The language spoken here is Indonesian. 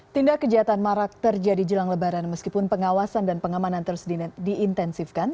tindak kejahatan marak terjadi jelang lebaran meskipun pengawasan dan pengamanan terus diintensifkan